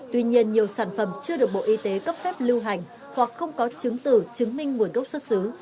tuy nhiên nhiều sản phẩm chưa được bộ y tế cấp phép lưu hành hoặc không có chứng tử chứng minh nguồn gốc xuất xứ